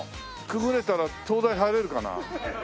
くぐれたら東大入れるかな？